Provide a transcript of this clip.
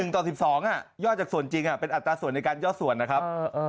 ต่อ๑๒ยอดจากส่วนจริงเป็นอัตราส่วนในการยอดส่วนนะครับ